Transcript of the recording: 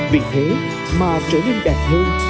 vì thế mà trở nên đẹp hơn